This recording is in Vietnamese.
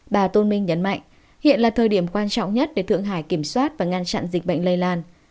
bà tôn minh nhấn mạnh hiện là thời điểm quan trọng nhất để thượng hải kiểm soát và ngăn chặn dịch bệnh lây lan